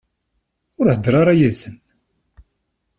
Ur heddeṛ ara yid-sen.